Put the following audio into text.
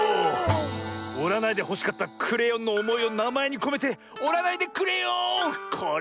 おらないでほしかったクレヨンのおもいをなまえにこめて「おらないでくれよん」これはすばらしい。